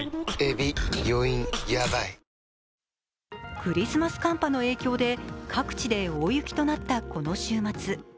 クリスマス寒波の影響で各地で大雪となったこの週末。